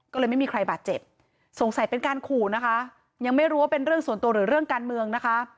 ก็เลยไม่มีใครบาดเจ็บสงสัยเป็นการขู่นะคะยังไม่รู้ว่าเป็นเรื่องส่วนตัวหรือเรื่องการเมืองนะคะ